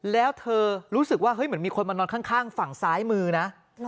แล้วเธอรู้สึกว่าเฮ้ยเหมือนมีคนมานอนข้างฝั่งซ้ายมือนะ